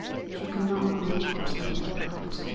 She could not know what they were at.